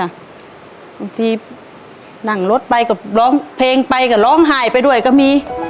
บางทีนั่งรถไปก็ร้องเพลงไปก็ร้องไห้ไปด้วยก็มี